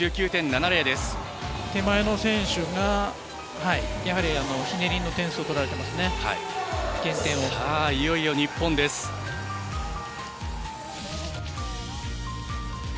手前の選手が、やはりひねりの点数を取られてますね。